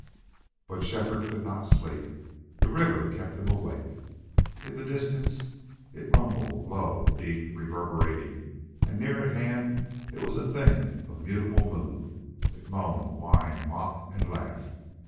But Shefford could not sleep. The river kept him awake. In the distance it rumbled, low, deep, reverberating, and near at hand it was a thing of mutable mood. It moaned, whined, mocked, and laughed.